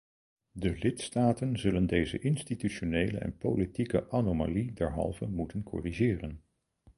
De lidstaten zullen deze institutionele en politieke anomalie derhalve moeten corrigeren.